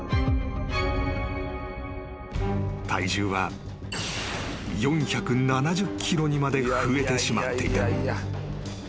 ［体重は４７０ｋｇにまで増えてしまっていた］